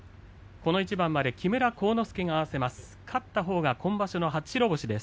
この一番まで木村晃之助が合わせます。